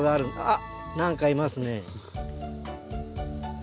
あっ何かいますね。